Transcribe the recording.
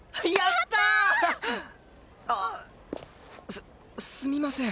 すすみません。